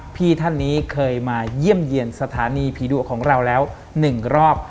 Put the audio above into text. พี่ท่านนี้เคยมาเยี่ยมเยี่ยมสถานีผีดุของเราแล้ว๑รอบ